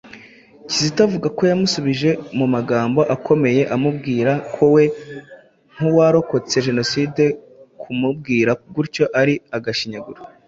Kizito avuga ko yamusubije mu magambo akomeye, amubwira ko we nk'uwarokotse jenoside kumubwira gutyo ari agashinyaguro.